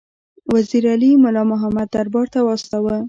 وزیر علي مُلا محمد دربار ته واستاوه.